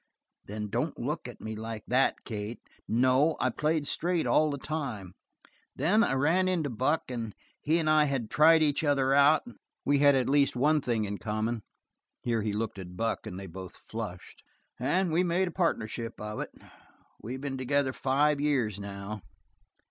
Then don't look at me like that, Kate; no, I played straight all the time then I ran into Buck and he and I had tried each other out, we had at least one thing in common" here he looked at Buck and they both flushed "and we made a partnership of it. We've been together five years now."